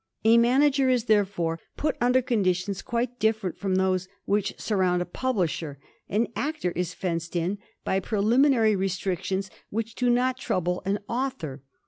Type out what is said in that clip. A manager is, therefore, put under conditions quite different from those which surround a publisher; an actor is fenced in by preliminary restrictions which do not trouble an author.